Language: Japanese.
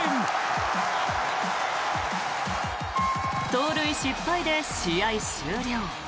盗塁失敗で試合終了。